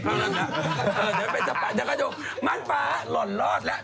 หรือพี่สาปะน้องครั้งงี้มานฟ้าหล่อนรอดแล้ว